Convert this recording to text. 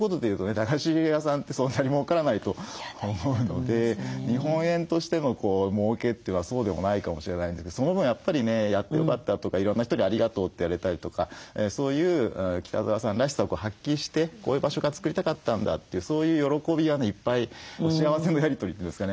駄菓子屋さんってそんなにもうからないと思うので日本円としてのもうけというのはそうでもないかもしれないんですけどその分やっぱりねやってよかったとかいろんな人にありがとうって言われたりとかそういう北澤さんらしさを発揮してこういう場所が作りたかったんだというそういう喜びはねいっぱい幸せのやり取りというんですかね